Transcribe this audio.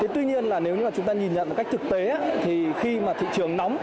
tuy nhiên nếu chúng ta nhìn nhận một cách thực tế thì khi mà thị trường nóng